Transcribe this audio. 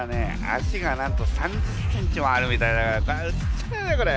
足がなんと３０センチもあるみたいだからこれは映っちゃうよねこれ！